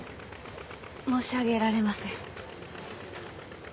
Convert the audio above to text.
申し上げられません。